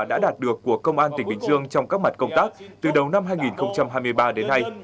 đã đạt được của công an tỉnh bình dương trong các mặt công tác từ đầu năm hai nghìn hai mươi ba đến nay